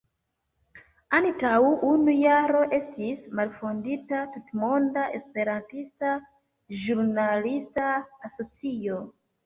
Antaŭ unu jaro estis malfondita Tutmonda Esperantista Ĵurnalista Asocio.